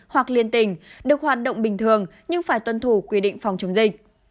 hoặc liên tỉnh được hoạt động bình thường nhưng phải tuân thủ quy định phòng chống dịch